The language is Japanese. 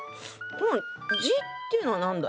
この「字」っていうのは何だ？